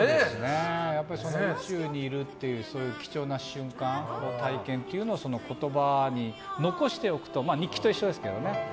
やっぱり宇宙にいるっていう貴重な瞬間、体験っていうのを言葉に残しておくと日記と一緒ですけどね。